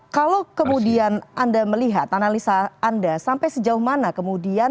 kalau kemudian anda melihat analisa anda sampai sejauh mana kemudian